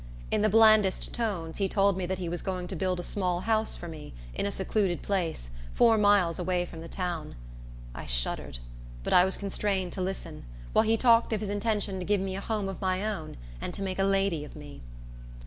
In the blandest tones, he told me that he was going to build a small house for me, in a secluded place, four miles away from the town. I shuddered; but I was constrained to listen, while he talked of his intention to give me a home of my own, and to make a lady of me.